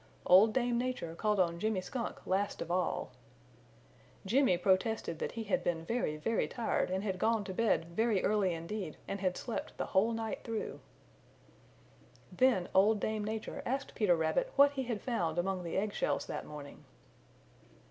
Old Dame Nature called on Jimmy Skunk last of all. Jimmy protested that he had been very, very tired and had gone to bed very early indeed and had slept the whole night through. Then Old Dame Nature asked Peter Rabbit what he had found among the egg shells that morning.